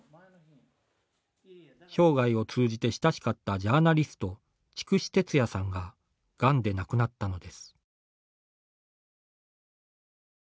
生涯を通じて親しかったジャーナリスト・筑紫哲也さんががんで亡くなったのです。